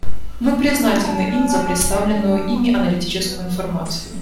Мы признательны им за представленную ими аналитическую информацию.